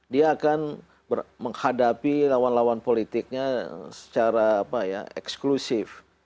dia akan menghadapi lawan lawan politiknya secara eksklusif